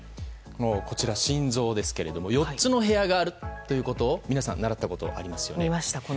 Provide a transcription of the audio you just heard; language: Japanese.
こちらは心臓ですが４つの部屋があるということを皆さん習ったことがありますよね。